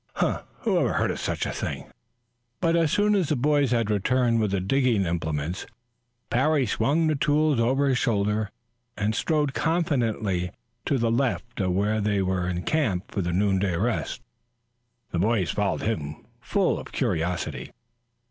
"Huh! Who ever heard of such a thing?" But as soon as the boys had returned with the digging implements, Parry swung the tools over his shoulder and strode confidently to the left of where they were encamped for the noonday rest. The boys followed him full of curiosity.